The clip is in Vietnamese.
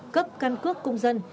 cấp căn cước công dân